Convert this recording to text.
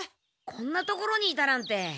こんな所にいたなんて。